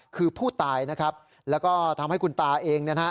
คือผู้ตายนะครับแล้วก็ทำให้คุณตาเองเนี่ยนะฮะ